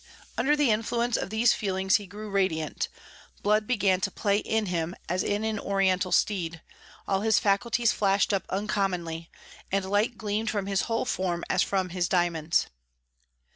Under the influence of these feelings he grew radiant; blood began to play in him, as in an Oriental steed; all his faculties flashed up uncommonly, and light gleamed from his whole form as from his diamonds.